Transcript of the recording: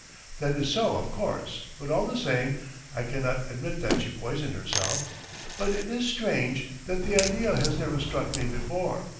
"That is so, of course, but all the same ... I cannot admit that she poisoned herself. But it is strange that the idea has never struck me before!